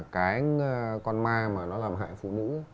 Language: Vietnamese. cái con ma mà nó làm hại phụ nữ